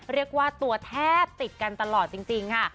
เรียกว่าตัวแทบติดกันตลอดจริงค่ะ